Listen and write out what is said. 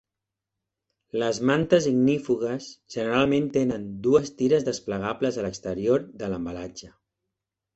Les mantes ignífugues generalment tenen dues tires desplegables a l'exterior de l'embalatge.